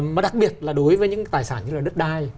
mà đặc biệt là đối với những tài sản như là đất đai